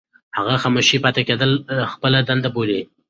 هغه خاموشه پاتې کېدل خپله دنده بولي.